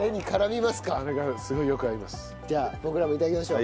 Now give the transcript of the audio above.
じゃあ僕らも頂きましょう。